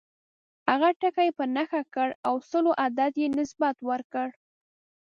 هغه ټکی یې په نښه کړ او سلو عدد یې نسبت ورکړ.